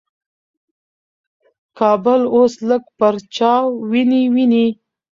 کابل اوس لږ پرچاویني ویني.